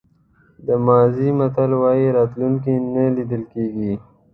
د مازی متل وایي راتلونکی نه لیدل کېږي.